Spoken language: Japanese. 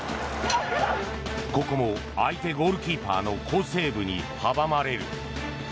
ここも相手ゴールキーパーの好セーブに阻まれる。